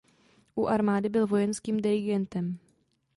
U armády byl vojenským dirigentem.